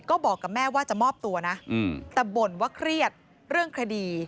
ก็บอกกับแม่ว่าจะมอบตัวนะแต่บ่นว่าเครียดเรื่องคดี